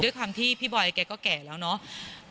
ด้วยความที่พี่บอยแกก็แก่แล้วเนาะ